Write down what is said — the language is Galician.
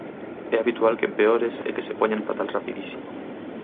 É habitual que empeores e que se poñan fatal rapidísimo.